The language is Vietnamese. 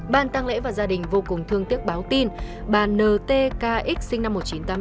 bàn tăng lễ và gia đình vô cùng thương tiếc báo tin bà ntkx sinh năm một nghìn chín trăm tám mươi bốn